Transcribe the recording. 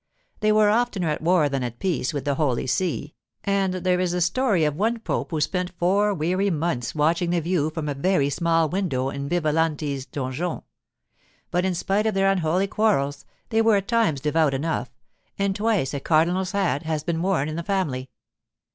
They were oftener at war than at peace with the holy see, and there is the story of one pope who spent four weary months watching the view from a very small window in Vivalanti's donjon. But, in spite of their unholy quarrels, they were at times devout enough, and twice a cardinal's hat has been worn in the family.